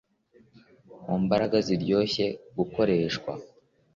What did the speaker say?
Mu mbaraga ziryoshye gukoreshwa